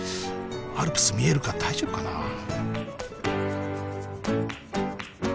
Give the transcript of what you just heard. アルプス見えるか大丈夫かなあ？